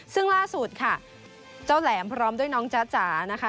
ซึ่งล่าสุดค่ะเจ้าแหลมพร้อมด้วยน้องจ๊ะจ๋านะคะ